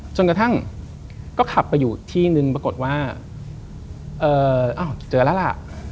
จนกระทั่งก็ขับไปอยู่ที่นึงปรากฏว่าอ้าวเจอแล้วล่ะ